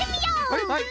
はいはい！